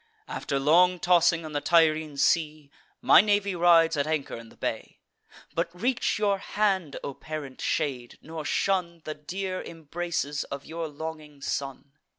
After long tossing on the Tyrrhene sea, My navy rides at anchor in the bay. But reach your hand, O parent shade, nor shun The dear embraces of your longing son!"